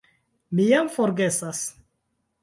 Mi jam forgesas!